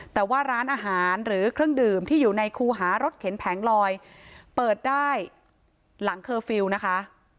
แต่ว่าร้านอาหารหรือเครื่องดื่มที่อยู่ในคูหารถเข็นแผงลอยเปิดได้หลังเคอร์ฟิลล์นะคะ